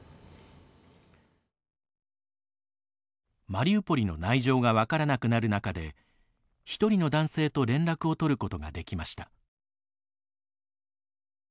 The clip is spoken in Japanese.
マリウポリの内情が分からなくなる中で１人の男性と連絡を取ることができました。